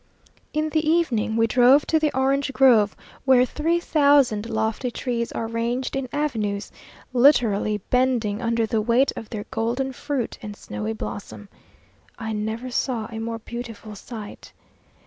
In the evening we drove to the orange grove, where three thousand lofty trees are ranged in avenues, literally bending under the weight of their golden fruit and snowy blossom. I never saw a more beautiful sight.